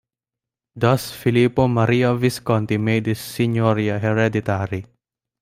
Thus Filippo Maria Visconti made his signoria hereditary.